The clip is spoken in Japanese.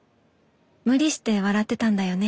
無理して笑ってたんだよね。